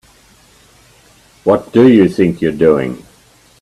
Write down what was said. What do you think you're doing?